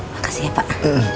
makasih ya pak